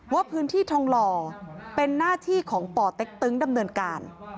ว่าพื้นที่ทองหล่อเป็นหน้าที่ของป่อเต็กตึงดำเนินการ